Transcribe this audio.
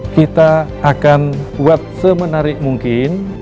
kita akan buat semenarik mungkin